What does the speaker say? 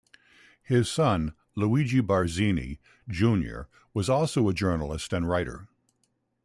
His son Luigi Barzini, Junior was also a journalist and writer.